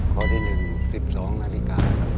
ตัวเลือกที่หนึ่ง๑๒นาฬิกาครับ